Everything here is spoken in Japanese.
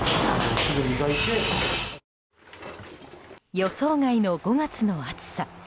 予想外の５月の暑さ。